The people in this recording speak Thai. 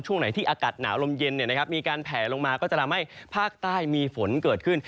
ช่วงไหนที่อากาศหนาวลมเย็นมีการแผลลงมาก็จะทำให้ภาคใต้มีฝนเกิดขึ้น